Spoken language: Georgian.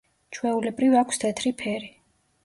ჩვეულებრივ აქვს თეთრი ფერი.